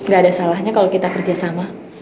gak ada salahnya kalau kita kerjasama